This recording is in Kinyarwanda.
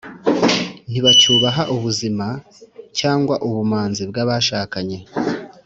ntibacyubaha ubuzima cyangwa ubumanzi bw’abashakanye,